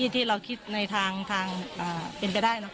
ที่เราคิดเป็นไปได้แล้ว